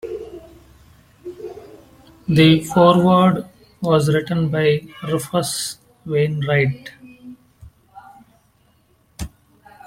The foreword was written by Rufus Wainwright.